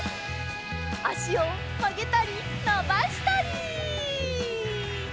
あしをまげたりのばしたり！